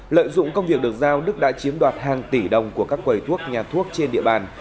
lợi dụng công việc được giao đức đã chiếm đoạt hàng tỷ đồng của các quầy thuốc nhà thuốc trên địa bàn